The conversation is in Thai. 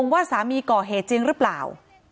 ว่าสามีก่อเหตุจริงหรือเปล่า